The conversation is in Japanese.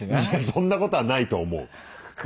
そんなことはないと思ううん。